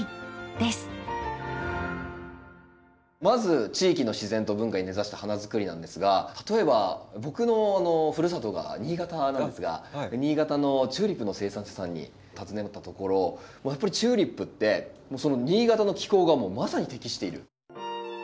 まず「地域の自然と文化に根ざした花づくり」なんですが例えば僕のふるさとが新潟なんですが新潟のチューリップの生産者さんにたずねたところやっぱりチューリップって新潟の気候がまさに適している。